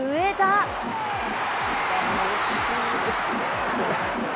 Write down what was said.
惜しいですね、これ。